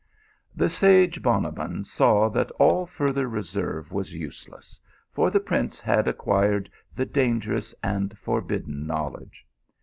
" The sage Bonabbon saw that all further reserve was useless, for the prince had acquired the danger ous and forbidden knowledge.